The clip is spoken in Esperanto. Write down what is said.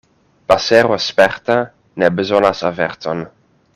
Pasero sperta ne bezonas averton.